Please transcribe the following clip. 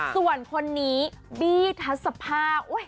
ส่วนคนนี้บี้ทัศภาค